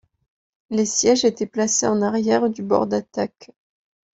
Les sièges étaient placés en arrière du bord d'attaque.